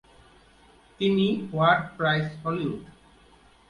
তিনি "what price Hollywood?"